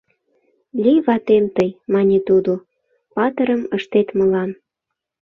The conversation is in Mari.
Лий ватем тый, — мане тудо, Патырым ыштет мылам